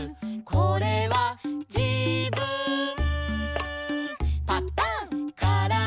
「これはじぶん」